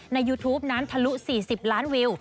ยูทูปนั้นทะลุ๔๐ล้านวิว